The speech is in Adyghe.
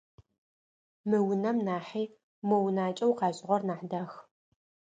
Мы унэм нахьи мо унакӏэу къашӏырэр нахь дах.